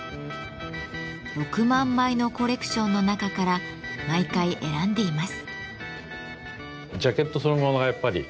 ６万枚のコレクションの中から毎回選んでいます。